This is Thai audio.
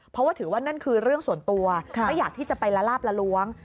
เพราะว่าถือว่านั่นคือเรื่องส่วนตัวไม่อยากที่จะไปละลาบละล้วง